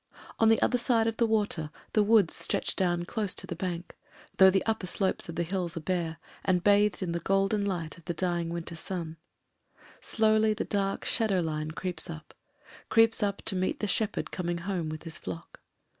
On the other side of the water the woods stretch down close to the bank, though the upper slopes of the hills are bare, and bathed in the golden light of the dying winter sun. Slowly the dark shadow line creeps up— creeps up to meet the shepherd coming home with his flock.